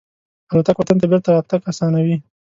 الوتکه وطن ته بېرته راتګ آسانوي.